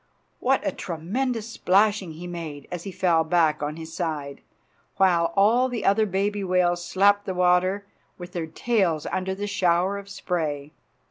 What a tremendous splashing he made as he fell back on his side, while all the other baby whales slapped the water with their tails under the shower of spray!